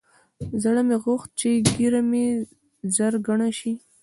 زړه مې غوښت چې ږيره مې ژر گڼه سي.